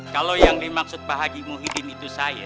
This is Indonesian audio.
kalau yang dimaksud pak haji muhyiddin itu saya